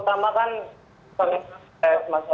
masalah utama kan masalah harga kebutuhan gitu